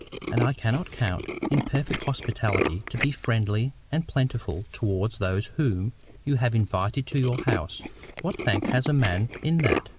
And I cannot count it perfect hospitality to be friendly and plentiful towards those whom you have invited to your house—what thank has a man in that?